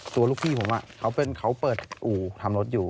ลูกพี่ผมเขาเปิดอู่ทำรถอยู่